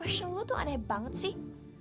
pertanyaan lo tuh aneh banget sih